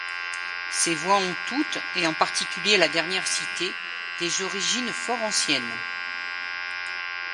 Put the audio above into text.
Ces voies ont toutes et, en particulier la dernière citée, des origines fort anciennes.